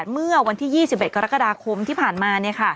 เมื่อวันที่๒๑กรกฎาคมที่ผ่านมา